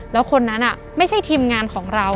แล้วคนนั้นไม่ใช่ทีมงานของเรา